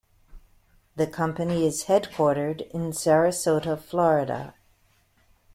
The company is headquartered in Sarasota, Florida.